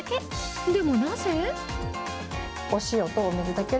でもなぜ？